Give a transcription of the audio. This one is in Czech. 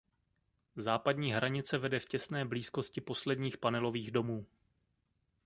Západní hranice vede v těsné blízkosti posledních panelových domů.